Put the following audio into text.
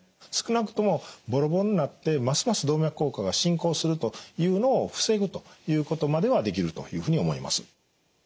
少なくともボロボロになってますます動脈硬化が進行するというのを防ぐということまではできるというふうに思います。